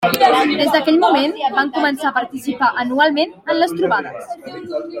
Des d'aquell moment van començar a participar anualment en les trobades.